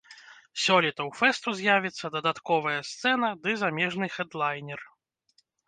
Сёлета ў фэсту з'явіцца дадатковая сцэна ды замежны хэдлайнер.